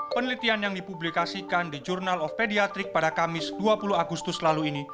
penelitian yang dipublikasikan di journal of pediatrics pada kamis dua puluh agustus lalu ini